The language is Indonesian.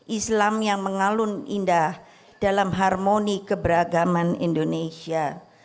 islam yang mengalun indah dalam harmoni keberagaman indonesia